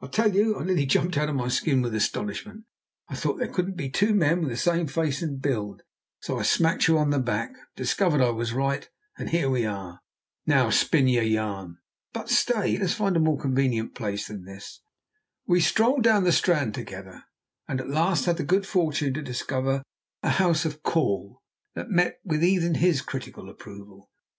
I tell you I nearly jumped out of my skin with astonishment, thought there couldn't be two men with the same face and build, so smacked you on the back, discovered I was right, and here we are. Now spin your yarn. But stay, let's first find a more convenient place than this." We strolled down the Strand together, and at last had the good fortune to discover a "house of call" that met with even his critical approval.